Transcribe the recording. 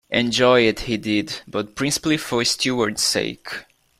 Enjoy it he did, but principally for Steward's sake.